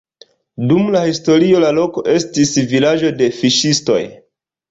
Dum la historio la loko estis vilaĝo de fiŝistoj.